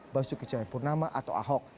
basuki cahaya purnama atau ahok